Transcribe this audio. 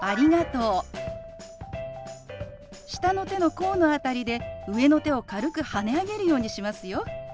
下の手の甲の辺りで上の手を軽くはね上げるようにしますよ。